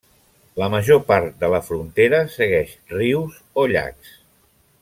La major part de la frontera segueix rius o llacs.